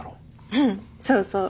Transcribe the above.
うんそうそう。